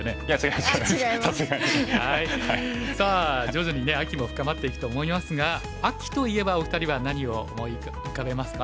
さあ徐々に秋も深まっていくと思いますが秋といえばお二人は何を思い浮かべますか？